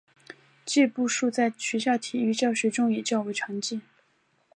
步数计在学校体育教学中也较为常见。